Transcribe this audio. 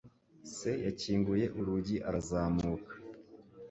Se yakinguye urugi arazamuka.